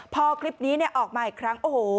พอคลิปนี้ออกมาอีกครั้งโอ้โห